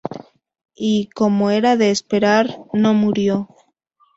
Y, como era de esperar, no murió.